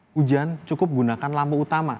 hujan cukup gunakan lampu utama